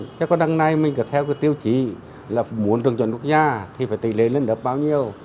chắc có đằng nay mình phải theo cái tiêu chí là muốn trường chuẩn nước nhà thì phải tỷ lệ lên lớp bao nhiêu